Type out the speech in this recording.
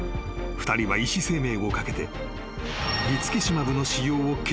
［２人は医師生命を懸けて］